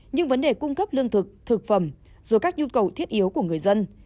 nhưng vấn đề cung cấp lương thực thực phẩm rồi các nhu cầu thiết yếu của người dân